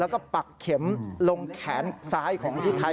ขอบคุณพี่ไทยที่ขอบคุณพี่ไทย